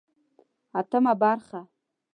اتمه برخه